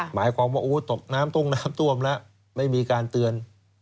หมายความว่าตกน้ำทุ่งน้ำท่วมแล้วไม่มีการเตือน